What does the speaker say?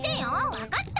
わかった？